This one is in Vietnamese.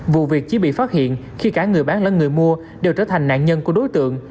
vụ việc chỉ bị phát hiện khi cả người bán lẫn người mua đều trở thành nạn nhân của đối tượng